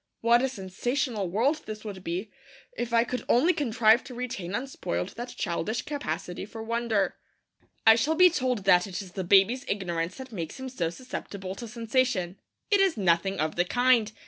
What a sensational world this would be if I could only contrive to retain unspoiled that childish capacity for wonder! I shall be told that it is the baby's ignorance that makes him so susceptible to sensation. It is nothing of the kind.